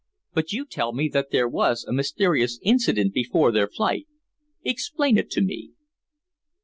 But you tell me that there was a mysterious incident before their flight. Explain it to me."